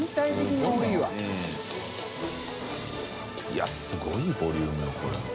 いすごいボリュームよこれも。